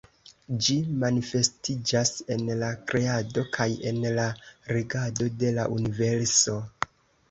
Ĝi manifestiĝas en la kreado kaj en la regado de la universo.